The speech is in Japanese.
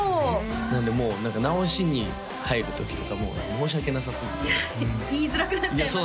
なのでもう直しに入る時とかも申し訳なさすぎて言いづらくなっちゃいますよね